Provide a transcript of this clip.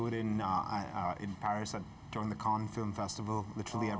kita melakukannya di paris di kon film festival setiap tahun